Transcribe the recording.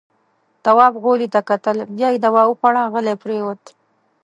تواب غولي ته کتل. بيا يې دوا وخوړه، غلی پرېووت.